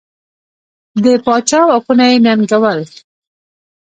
د پاچا واکونه یې ننګول.